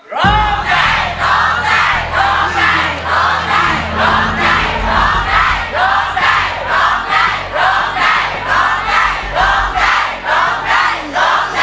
ร้องได้ร้องได้ร้องได้ร้องได้